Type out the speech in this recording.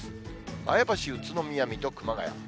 前橋、宇都宮、水戸、熊谷。